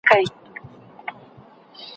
ايا د زور کارول تل په سياست کي اړين دي؟